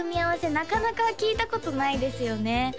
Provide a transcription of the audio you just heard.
なかなか聞いたことないですよね